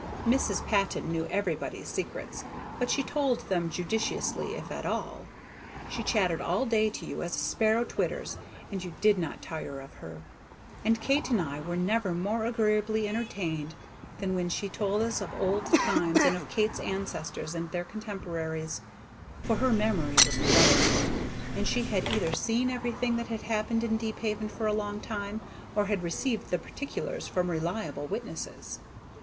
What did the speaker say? Mrs. Patton knew everybody's secrets, but she told them judiciously if at all. She chattered all day to you as a sparrow twitters, and you did not tire of her; and Kate and I were never more agreeably entertained than when she told us of old times and of Kate's ancestors and their contemporaries; for her memory was wonderful, and she had either seen everything that had happened in Deephaven for a long time, or had received the particulars from reliable witnesses.